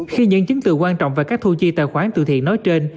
khi những chứng từ quan trọng về các thu chi tài khoản từ thiện nói trên